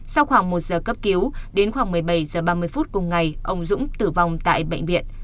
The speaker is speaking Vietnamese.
sau khoảng một giờ cấp cứu đến khoảng một mươi bảy h ba mươi phút cùng ngày ông dũng tử vong tại bệnh viện